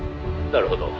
「なるほど。